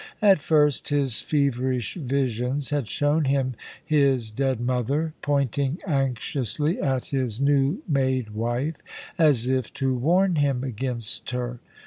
At first his feverish visions had shown him his dead mother, pointing anxiously at his new made wife, as if to warn him against her.